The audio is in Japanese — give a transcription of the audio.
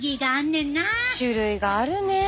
種類があるね。